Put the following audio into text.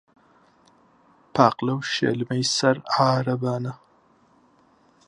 پاقلە و شێلمەی سەر عارەبانە